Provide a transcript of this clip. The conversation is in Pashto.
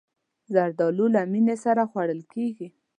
زردالو له مینې سره خوړل کېږي.